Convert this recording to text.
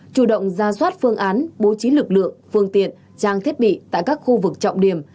chủ động ra soát phương án bố trí lực lượng phương tiện trang thiết bị tại các khu vực trọng điểm